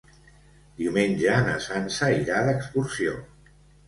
Diumenge na Sança irà d'excursió.